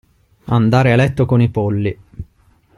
Andare a letto con i polli.